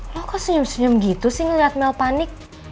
lo kok senyum senyum gitu sih ngeliat mel panik